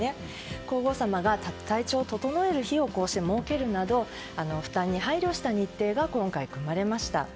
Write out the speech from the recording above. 皇后さまが体調を整える日を設けるなど負担に配慮した日程が今回、組まれました。